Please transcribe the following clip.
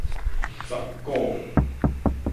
十股